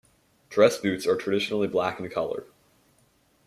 Dress boots are traditionally black in color.